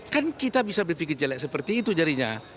kan kita bisa berpikir jelek seperti itu jadinya